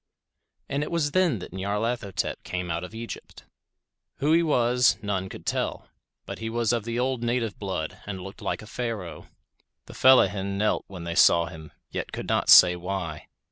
And it was then that Nyarlathotep came out of Egypt. Who he was, none could tell, but he was of the old native blood and looked like a Pharaoh. The fellahin knelt when they saw him, yet could not say why.